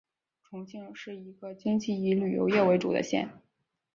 重庆是一个经济以旅游业为主的县。